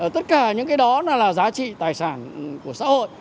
tất cả những cái đó là giá trị tài sản của xã hội